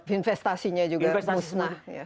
investasinya juga musnah